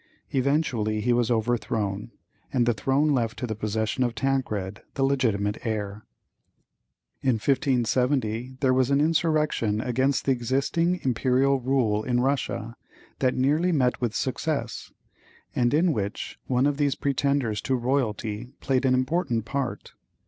Eventually he was overthrown, and the throne left to the possession of Tancred, the legitimate heir. In 1570 there was an insurrection against the existing imperial rule in Russia that nearly met with success, and in which one of these pretenders to royalty played an important part.